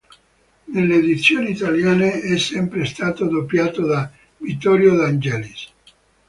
Nelle edizioni italiane è sempre stato doppiato da Vittorio De Angelis.